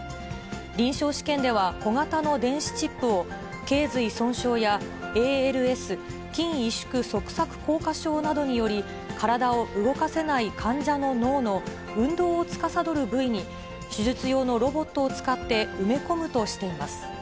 臨床試験では、小型の電子チップを、けい椎損傷や、ＡＬＳ・筋萎縮側索硬化症などにより、体を動かせない患者の脳の運動をつかさどる部位に、手術用のロボットを使って埋め込むとしています。